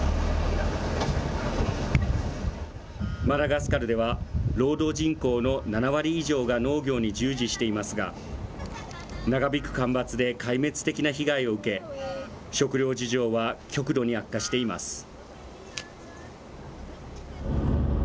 マダガスカルでは、労働人口の７割以上が農業に従事していますが、長引く干ばつで壊滅的な被害を受け、食糧事情は極度に悪化しています。